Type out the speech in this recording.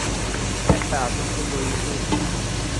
একটা আতঙ্ক তৈরি হয়েছে।